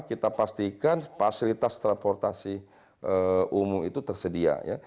kita pastikan fasilitas transportasi umum itu tersedia